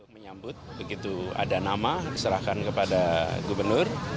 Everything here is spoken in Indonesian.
menyambut begitu ada nama diserahkan kepada gubernur